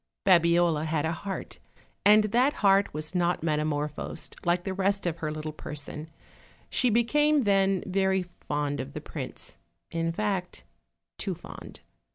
Babiola had a heart, and that heart was not metamor phosed like the rest of her little person; she became, then, very fond of the prince in fact, too fond.